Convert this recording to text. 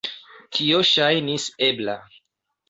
Tio ŝajnis ebla.